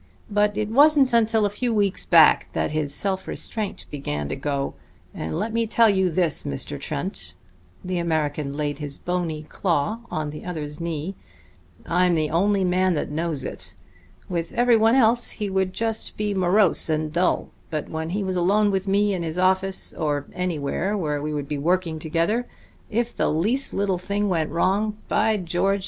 But it wasn't until a few weeks back that his self restraint began to go; and let me tell you this, Mr. Trent" the American laid his bony claw on the other's knee "I'm the only man that knows it. With everyone else he would be just morose and dull; but when he was alone with me in his office, or anywhere where we would be working together, if the least little thing went wrong, by George!